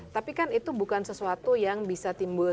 tapi kan itu bukan sesuatu yang bisa timbul